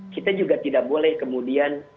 kita juga tidak boleh kemudian